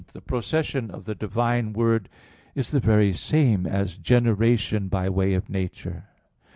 3), the procession of the divine Word is the very same as generation by way of nature.